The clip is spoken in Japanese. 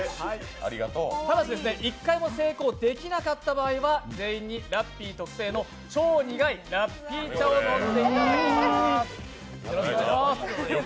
ただし、１回も成功できなかった場合は全員にラッピー特製の超苦いラッピー茶を飲んでいただきます。